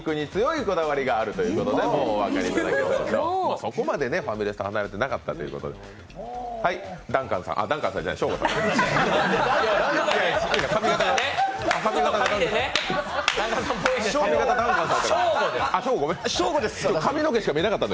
そこまでファミレスと離れてなかったということです、ダンカンさんじゃないショーゴさん。